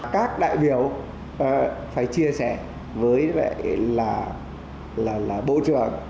các đại biểu phải chia sẻ với bộ trưởng